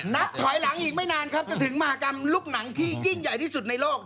นับถอยหลังอีกไม่นานครับจะถึงมหากรรมลูกหนังที่ยิ่งใหญ่ที่สุดในโลก